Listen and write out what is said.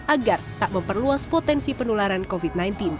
agar tak memperluas potensi penularan covid sembilan belas